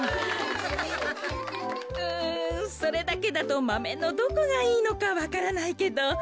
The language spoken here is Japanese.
うんそれだけだとマメのどこがいいのかわからないけど。